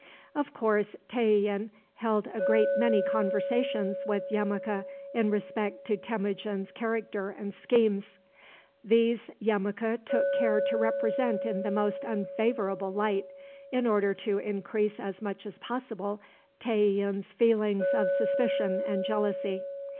Of course, Tayian held a great many conversations with Yemuka in respect to Temujin's character and schemes. These Yemuka took care to represent in the most unfavorable light, in order to increase as much as possible Tayian's feelings of suspicion and jealousy.